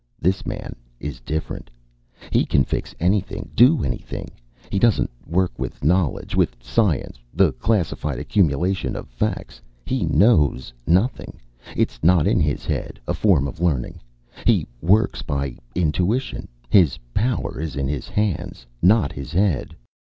"This man is different. He can fix anything, do anything. He doesn't work with knowledge, with science the classified accumulation of facts. He knows nothing. It's not in his head, a form of learning. He works by intuition his power is in his hands, not his head.